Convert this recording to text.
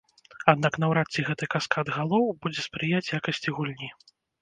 Аднак наўрад ці гэты каскад галоў будзе спрыяць якасці гульні.